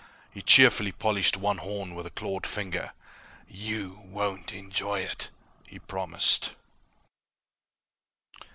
He cheerfully polished one horn with a clawed finger. "You won't enjoy it!" he promised.